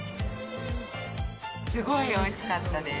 すごいおいしかったです。